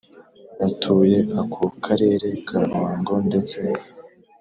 Batuye ako karere ka ruhango ndetse